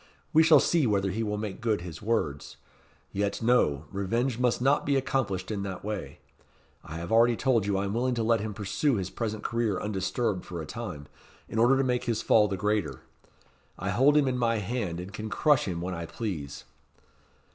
"We shall see whether he will make good his words. Yet no! Revenge must not be accomplished in that way. I have already told you I am willing to let him pursue his present career undisturbed for a time, in order to make his fall the greater. I hold him in my hand, and can crush him when I please."